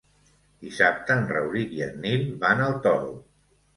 Dissabte en Rauric i en Nil van al Toro.